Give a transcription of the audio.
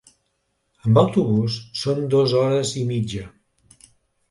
Amb autobús són dos hores i mitja.